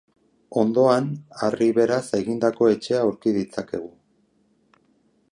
Ondoan, harri beraz egindako etxea aurki ditzakegu.